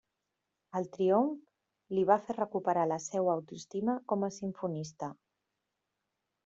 El triomf li va fer recuperar la seua autoestima com a simfonista.